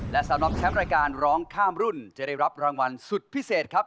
และสำหรับแชมป์รายการร้องข้ามรุ่นจะได้รับรางวัลสุดพิเศษครับ